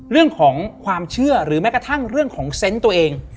เรื่องของความเชื่อหรือแม้กระทั่งเรื่องของเซนต์ตัวเอง